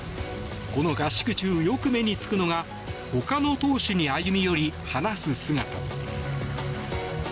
この合宿中よく目につくのが他の投手に歩み寄り、話す姿。